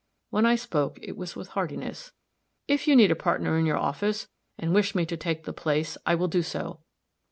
When I spoke it was with heartiness. "If you need a partner in your office, and wish me to take the place, I will do so."